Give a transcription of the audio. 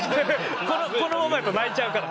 このままやと泣いちゃうから？